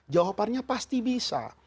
jawabannya pasti bisa